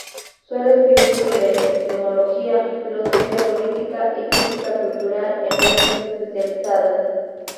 Suele escribir sobre epistemología, filosofía política y crítica cultural en revistas especializadas.